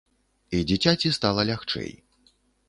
І дзіцяці стала лягчэй.